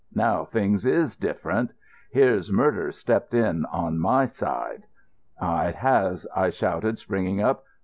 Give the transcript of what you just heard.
Now things is different. Here's murder stepped in on my side." "Aye, it has!" I shouted, springing up.